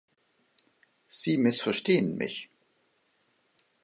Sie missverstehen mich.